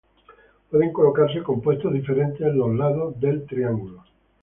Pueden colocarse compuestos diferentes en los lados del triángulo.